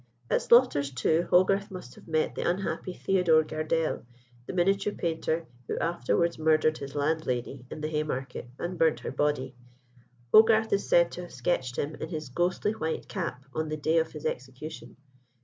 At Slaughter's, too, Hogarth must have met the unhappy Theodore Gardelle, the miniature painter, who afterwards murdered his landlady in the Haymarket and burnt her body. Hogarth is said to have sketched him in his ghostly white cap on the day of his execution.